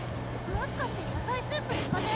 もしかしてやさいスープ苦手？